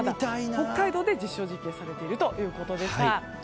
北海道で実証実験されているということでした。